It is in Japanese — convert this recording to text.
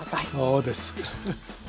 そうです。